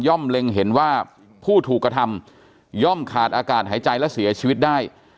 เล็งเห็นว่าผู้ถูกกระทำย่อมขาดอากาศหายใจและเสียชีวิตได้